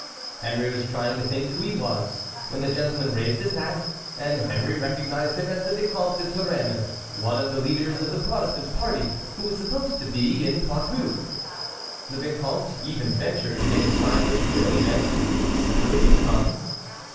Henry was trying to think who he was, when the gentleman raised his hat and Henry recognized him as the Vicomte de Turenne, one of the leaders of the Protestant party, who was supposed to be in Poitou. The vicomte even ventured to make a sign which clearly meant, "Will you come?"